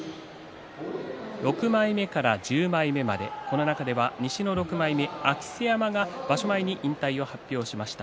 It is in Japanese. ６枚目から１０枚目までこの中では西の６枚目明瀬山が場所前に引退を発表しました。